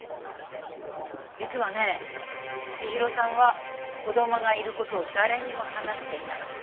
実はね千尋さんは子供がいる事を誰にも話していなかった。